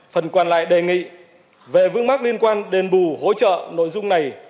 phần quản lại đề nghị về vứt mắt liên quan đền bù hỗ trợ nội dung này